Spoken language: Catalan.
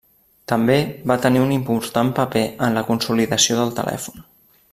També va tenir un important paper en la consolidació del telèfon.